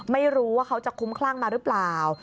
ไม่รู้ว่าเขาจะคุ้มคลั่งมาหรือเปล่า